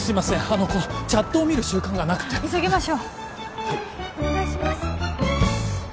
あのこうチャットを見る習慣がなくて急ぎましょうはいお願いします